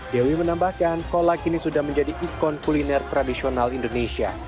dewi menambahkan kolak ini sudah menjadi ikon kuliner tradisional indonesia